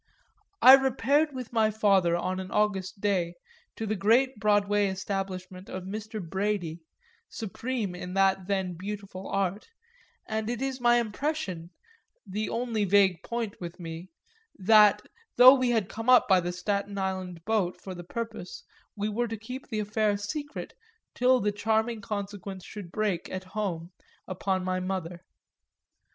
I repaired with my father on an August day to the great Broadway establishment of Mr. Brady, supreme in that then beautiful art, and it is my impression the only point vague with me that though we had come up by the Staten Island boat for the purpose we were to keep the affair secret till the charming consequence should break, at home, upon my mother.